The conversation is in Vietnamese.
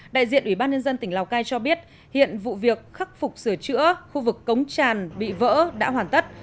đại diện ủy ban nhân dân tỉnh lào cai cho biết hiện vụ việc khắc phục sửa chữa khu vực cống tràn bị vỡ đã hoàn tất